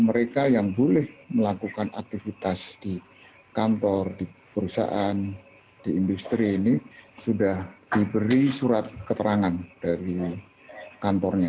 mereka yang boleh melakukan aktivitas di kantor di perusahaan di industri ini sudah diberi surat keterangan dari kantornya